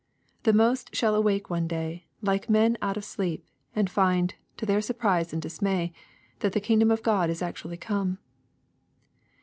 The most shall awake one day, like men out of sleep, and find, to their surprise and dismay, that the kingdom of God is actually come.